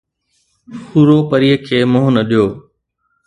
هورو پريءَ کي منهن نه ڏيو